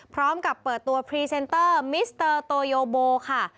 พร้อมกับเปิดตัวพรีเซนเตอร์มิสเตอร์โตโยโบค่ะ